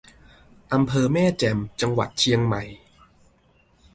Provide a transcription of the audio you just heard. อำเภอแม่แจ่ม จังหวัดเชียงใหม่